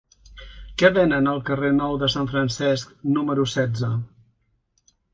Què venen al carrer Nou de Sant Francesc número setze?